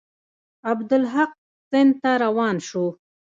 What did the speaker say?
عبدالحق سند ته روان شو.